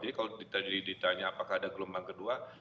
jadi kalau tadi ditanya apakah ada gelombang kedua